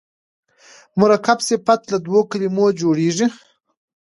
مرکب صفت له دوو کلمو جوړیږي.